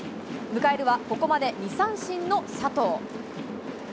迎えるは、ここまで２三振の佐藤。